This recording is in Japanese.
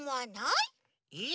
えっ？